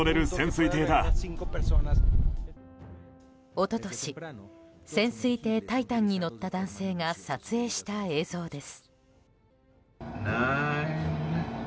一昨年、潜水艇「タイタン」に乗った男性が撮影した映像です。